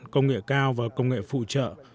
công nghệ cao và công nghệ phụ trợ